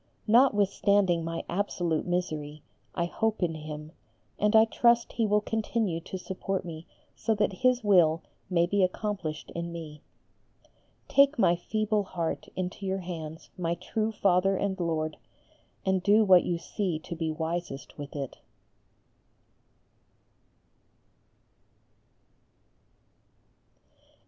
Notwithstanding my absolute misery I hope in Him, and I trust He will continue to support me so that His will may be accomplished in me. Take my feeble heart into your hands, my true Father and Lord, and do what you see to be wisest with it.